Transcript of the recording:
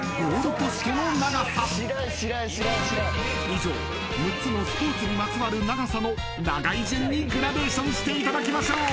［以上６つのスポーツにまつわる長さの長い順にグラデーションしていただきましょう］